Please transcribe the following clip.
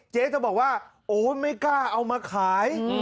เจ๊จะบอกว่าโอ้ไม่กล้าเอามาขาย